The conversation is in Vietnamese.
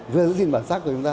vừa giữ gìn bản sắc của chúng ta